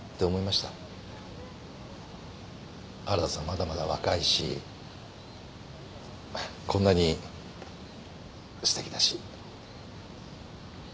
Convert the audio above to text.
まだまだ若いしこんなにすてきだし。